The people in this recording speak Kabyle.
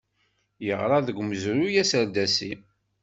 Yeɣra deg umezruy aserdasi